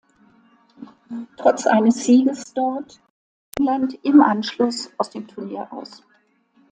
Trotz eines Sieges dort schied England im Anschluss aus dem Turnier aus.